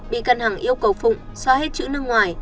bị can hằng yêu cầu phụng xóa hết chữ nước ngoài